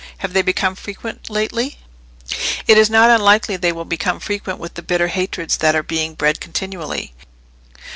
Have they become frequent lately?" "It is not unlikely they will become frequent, with the bitter hatreds that are being bred continually."